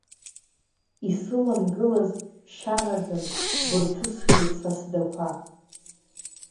Исыламгылаз шьараӡан бырҭысхьеит са сдақәа…